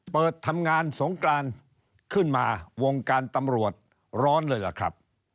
เปิดทำงานสงกรานขึ้นมาวงการตำรวจร้อนเลยล่ะครับ